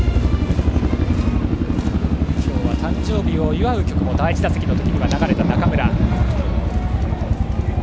今日は誕生日を祝う曲も第１打席で流れた中村。